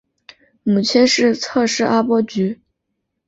母亲是侧室阿波局。